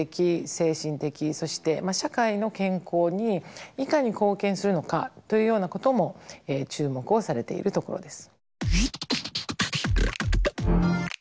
精神的そして社会の健康にいかに貢献するのかというようなことも注目をされているところです。